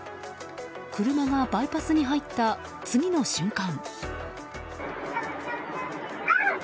車がバイパスに入った次の瞬間。